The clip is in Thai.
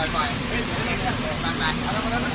ที่ปืนกลับไป